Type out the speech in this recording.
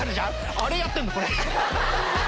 あれやってんのこれ。